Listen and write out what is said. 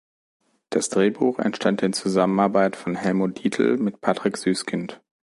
Das Drehbuch entstand in Zusammenarbeit von Helmut Dietl mit Patrick Süskind.